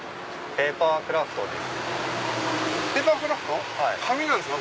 ペーパークラフト⁉紙なんですか？